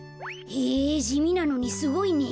へえじみなのにすごいね。